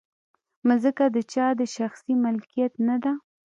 مځکه د چا د شخصي ملکیت نه ده.